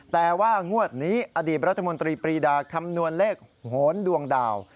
แต่ว่างวดนี้อดีตรัฐมนตรีปรีดาคำนวณเลขโหนดวงดาว